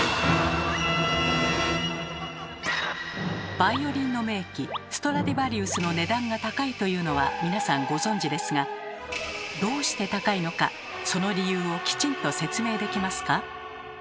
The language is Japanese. バイオリンの名器ストラディヴァリウスの値段が高いというのは皆さんご存じですがどうして高いのかその理由をきちんと説明できますか？